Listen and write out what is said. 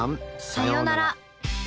さようなら。